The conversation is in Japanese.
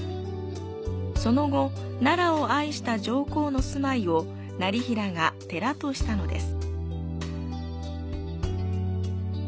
その後、奈良を愛した上皇の住まいを業平が寺としたのです。